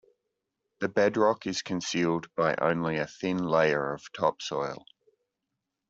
The bedrock is concealed by only a thin layer of topsoil.